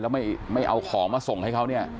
แล้วไม่เอาของมาส่งให้เขา